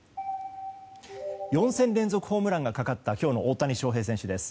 ４戦連続ホームランがかかった今日の大谷翔平選手です。